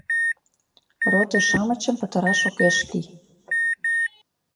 Родо-шамычым пытараш огеш лий.